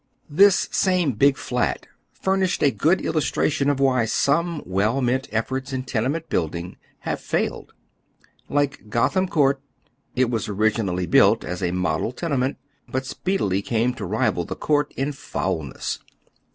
This same " Big Fiat " furnished a good illustration of why some well meaut efforts in tenement building have failed. Like Gotham Court, it was originally built as a model tenement, but speedily came to rival the Court in foulness.